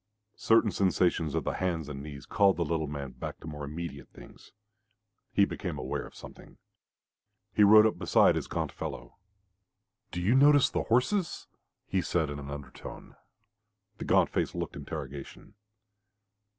Certain sensations of the hands and knees called the little man back to more immediate things. He became aware of something. He rode up beside his gaunt fellow. "Do you notice the horses?" he said in an undertone. The gaunt face looked interrogation.